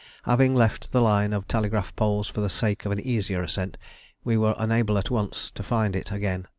Having left the line of telegraph poles for the sake of an easier ascent, we were unable at once to find it again.